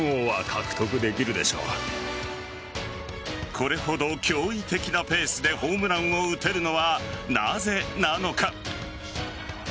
これほど驚異的なペースでホームランを打てるのはなぜなのか。